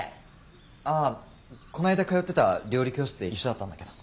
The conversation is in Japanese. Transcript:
ああこないだ通ってた料理教室で一緒だったんだけど。